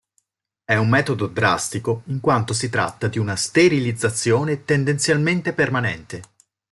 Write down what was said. È un metodo drastico, in quanto si tratta di una sterilizzazione tendenzialmente permanente.